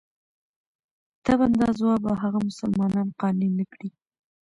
طبعاً دا ځواب به هغه مسلمانان قانع نه کړي.